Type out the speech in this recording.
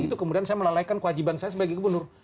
itu kemudian saya melalaikan kewajiban saya sebagai gubernur